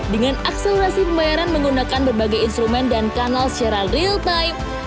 dengan akselerasi pembayaran menggunakan berbagai instrumen dan kanal secara real time